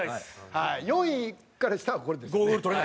４位から下はこれですね。